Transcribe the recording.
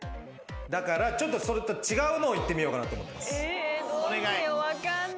だからそれと違うのをいってみようかなと思ってます。